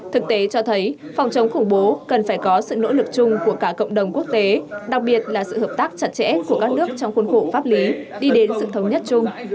thực tế cho thấy phòng chống khủng bố cần phải có sự nỗ lực chung của cả cộng đồng quốc tế đặc biệt là sự hợp tác chặt chẽ của các nước trong khuôn khổ pháp lý đi đến sự thống nhất chung